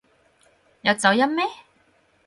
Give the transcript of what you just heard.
有走音咩？